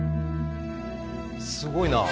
すごいな。